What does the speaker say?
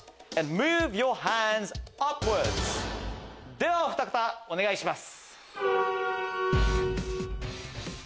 ではおふた方お願いします。